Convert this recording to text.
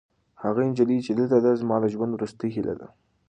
هغه نجلۍ چې دلته ده، زما د ژوند وروستۍ هیله ده.